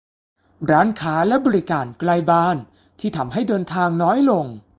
- ร้านค้าและบริการใกล้บ้านที่ทำให้เดินทางน้อยลง